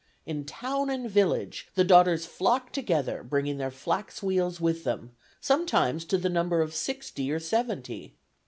In town and village, the Daughters flocked together, bringing their flax wheels with them, sometimes to the number of sixty or seventy.